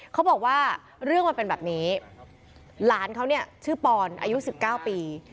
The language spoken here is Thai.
เขาบอกว่าเรื่องมันเป็นแบบนี้หลานเขาเนี่ยชื่อปอนอายุ๑๙ปี